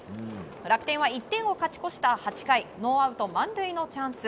楽天は１点を勝ち越した８回ノーアウト満塁のチャンス。